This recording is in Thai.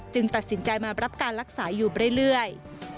ตัดสินใจมารับการรักษาอยู่เรื่อย